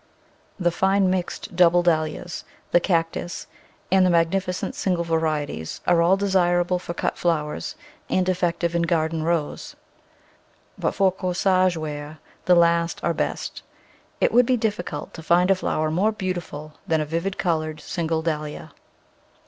The fine mixed double Dahlias, the Cactus and the magnificent single varieties, are all desirable for cut flowers and effective in garden rows; but for corsage Digitized by Google Ten] annual* from feeeto »°7 wear the last are best. It would be difficult to find a flower more beautiful than a vivid coloured single Dahlia.